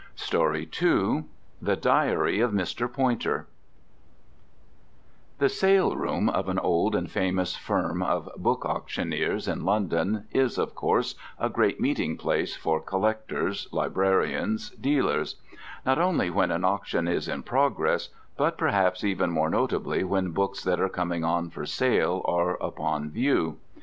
POYNTER THE DIARY OF MR. POYNTER The sale room of an old and famous firm of book auctioneers in London is, of course, a great meeting place for collectors, librarians, dealers: not only when an auction is in progress, but perhaps even more notably when books that are coming on for sale are upon view.